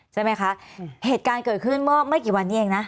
ใช่ไหมคะเหตุการณ์เกิดขึ้นเมื่อไม่กี่วันนี้เองนะ